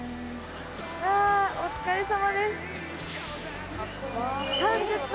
あお疲れさまです。